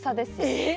えっ！